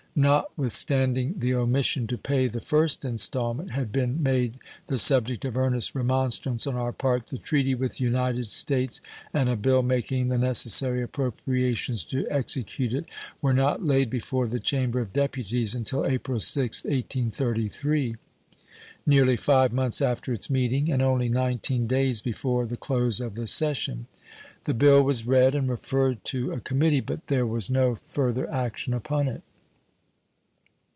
Not withstanding the omission to pay the first installment had been made the subject of earnest remonstrance on our part, the treaty with the United States and a bill making the necessary appropriations to execute it were not laid before the Chamber of Deputies until April 6th, 1833, nearly five months after its meeting, and only nineteen days before the close of the session. The bill was read and referred to a committee, but there was no further action upon it.